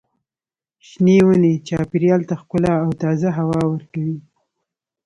شنې ونې چاپېریال ته ښکلا او تازه هوا ورکوي.